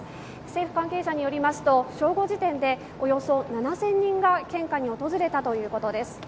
政府関係者によりますと正午時点でおよそ７０００人が献花に訪れたということです。